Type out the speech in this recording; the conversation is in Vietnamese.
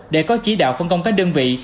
để có chỉ đạo phân công các đơn vị